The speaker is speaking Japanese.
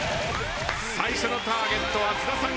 最初のターゲットは津田さん